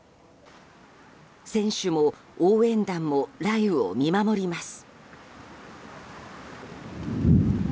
選手も応援団も雷雨を見守ります。